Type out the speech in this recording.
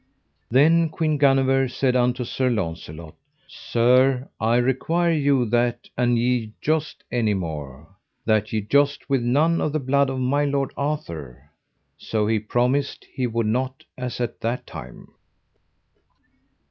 Then Queen Guenever said unto Sir Launcelot: Sir, I require you that an ye joust any more, that ye joust with none of the blood of my lord Arthur. So he promised he would not as at that time.